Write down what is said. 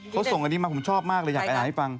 เธอไม่ได้เชิญ